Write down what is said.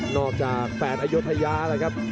นอกจากแฝดอยุธยาแหละครับ